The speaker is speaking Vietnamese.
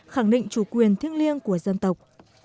khẳng định chủ quyền thiêng liêng của dân tộc